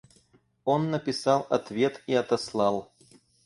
Он написал ответ и отослал.